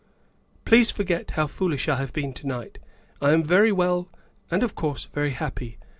" Please forget how foolish I have been to night. I am very well, and, of course, very happy.